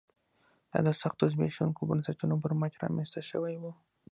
دا د سختو زبېښونکو بنسټونو پر مټ رامنځته شوی و